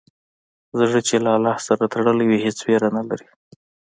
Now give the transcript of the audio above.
زړه چې له الله سره تړلی وي، هېڅ ویره نه لري.